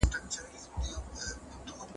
د حقوق الله په اړه غفلت مه کوئ.